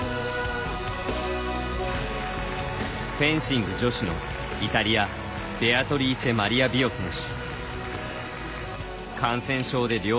フェンシング女子のイタリアベアトリーチェマリア・ビオ選手。